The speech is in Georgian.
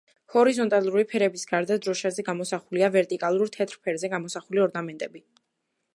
ჰორიზონტალური ფერების გარდა, დროშაზე გამოსახულია ვერტიკალურ თეთრ ფერზე გამოსახული ორნამენტები.